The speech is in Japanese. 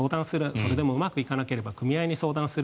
それでもうまくいかなければ組合に相談する。